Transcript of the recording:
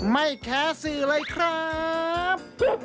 ไม่แพ้สื่อเลยครับ